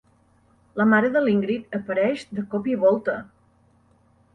La mare de l'Ingrid apareix de cop i volta.